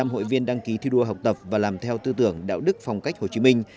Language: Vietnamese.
một trăm hội viên đăng ký thi đua học tập và làm theo tư tưởng đạo đức phong cách hồ chí minh